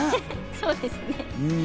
そうですね。